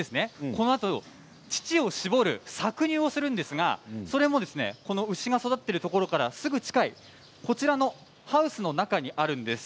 このあと乳を搾る搾乳をするんですがそれも、牛が育っているところからすぐ近いこちらのハウスの中にあるんです。